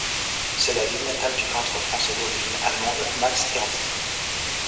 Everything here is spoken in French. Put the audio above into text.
C'est la ville natale du peintre français d'origine allemande, Max Ernst.